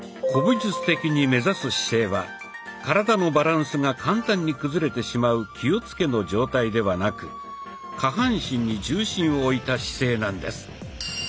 古武術的に目指す姿勢は体のバランスが簡単に崩れてしまう「気をつけ」の状態ではなく下半身に重心を置いた姿勢なんです。